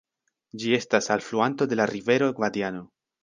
Ĝi estas alfluanto de la rivero Gvadiano.